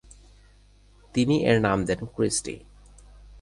তিনি এর নাম দেন "ক্রিস্টি"।